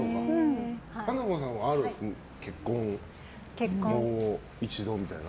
華子さんはあるんですか結婚、もう一度みたいな。